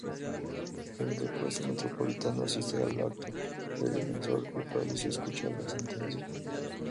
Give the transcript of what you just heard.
El depuesto metropolitano, asistente al acto, se confesó culpable, y escuchó la sentencia.